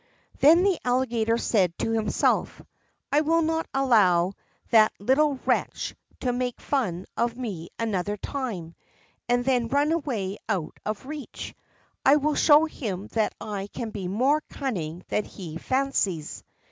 Then the Alligator said to himself: "I will not allow that little wretch to make fun of me another time and then run away out of reach; I will show him that I can be more cunning than he fancies."